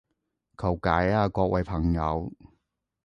求解啊各位朋友